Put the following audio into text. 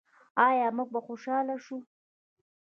آیا موږ به خوشحاله شو؟